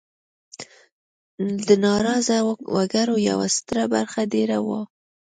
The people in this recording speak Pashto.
د ناراضه وګړو یوه ستره برخه دېره وه.